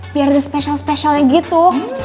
biar ada spesial spesialnya gitu